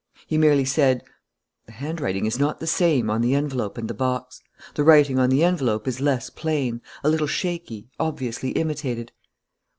He merely said: "The handwriting is not the same on the envelope and the box. The writing on the envelope is less plain, a little shaky, obviously imitated."